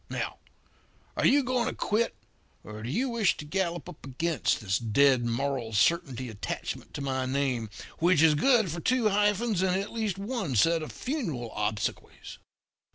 Now, are you going to quit, or do you wish for to gallop up against this Dead Moral Certainty attachment to my name, which is good for two hyphens and at least one set of funeral obsequies?'